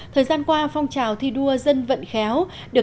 thời gian qua phong trào thi đua dân vận khéo